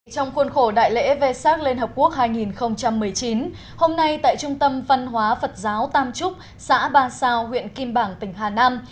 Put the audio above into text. trong khuôn khổ đại lễ vê sát liên hợp quốc hai nghìn một mươi chín hôm nay tại trung tâm văn hóa phật giáo tam trúc xã ba sao huyện kim bảng tỉnh hà nam